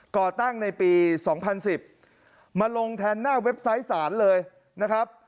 ก่อตั้งในปี๒๐๑๐มาลงแทนหน้าเว็บไซต์สารเลยนะครับ